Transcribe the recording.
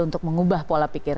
untuk mengubah pola pikir